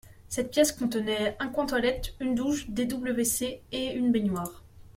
Cette pièce contenait un coin toilette, une douche, des WC et une baignoire.